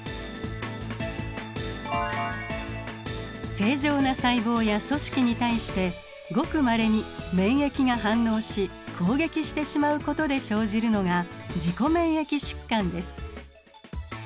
正常な細胞や組織に対してごくまれに免疫が反応し攻撃してしまうことで生じるのが自己免疫疾患です。